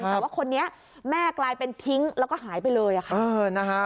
แต่ว่าคนนี้แม่กลายเป็นทิ้งแล้วก็หายไปเลยค่ะ